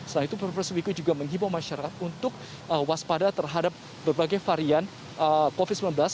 setelah itu prof wiku juga mengimbau masyarakat untuk waspada terhadap berbagai varian covid sembilan belas